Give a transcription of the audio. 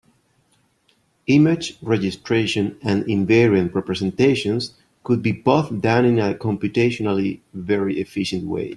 Image registration and invariant representations could both be done in a computationally very efficient way.